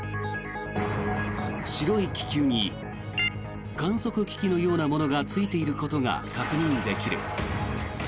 白い気球に観測機器のようなものがついていることが確認できる。